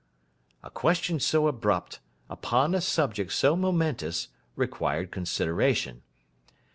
A question so abrupt, upon a subject so momentous, required consideration.